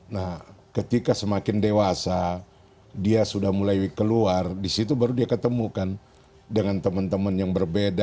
nah ketika semakin dewasa dia sudah mulai keluar di situ baru dia ketemukan dengan teman teman yang berbeda